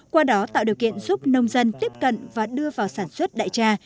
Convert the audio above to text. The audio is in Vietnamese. qua đó tạo điều kiện giúp nông dân tiếp cận và đưa vào sản xuất đại trà